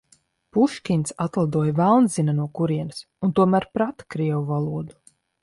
Puškins atlidoja velns zina no kurienes un tomēr prata krievu valodu.